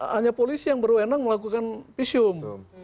hanya polisi yang berwenang melakukan pisum